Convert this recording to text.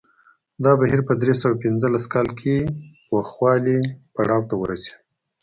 دا بهیر په درې سوه پنځلس کال کې پوخوالي پړاو ته ورسېد